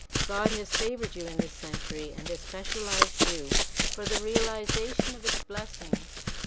God has favored you in this century and has specialized you for the reali zation of its blessings.